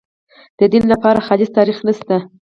د دین لپاره خالص تاریخ نشته.